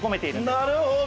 なるほど！